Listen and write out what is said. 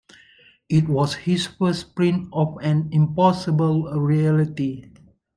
It was his first print of an impossible reality.